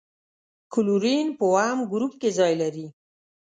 کلورین په اووم ګروپ کې ځای لري.